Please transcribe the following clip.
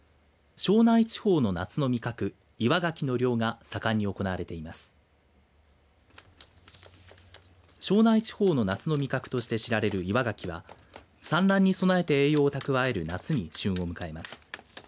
庄内地方の夏の味覚として知られる岩ガキは産卵に備えて栄養を蓄える夏に旬を迎えます。